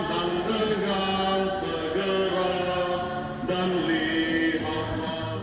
bantang dengan segera dan lihatlah